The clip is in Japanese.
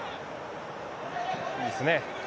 いいですね。